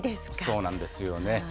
そうなんですよね。